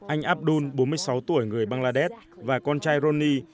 anh abdul bốn mươi sáu tuổi người bangladesh và con trai roni